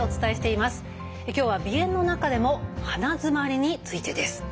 今日は鼻炎の中でも鼻づまりについてです。